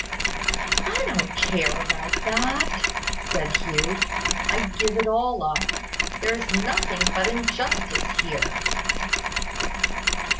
"I don't care about that," said Hugh. "I give it all up. There is nothing but injustice here."